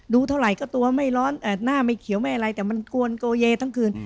เท่าไหร่ก็ตัวไม่ร้อนหน้าไม่เขียวไม่อะไรแต่มันกวนโกเยทั้งคืน